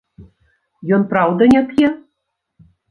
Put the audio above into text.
Ён праўда не п'е?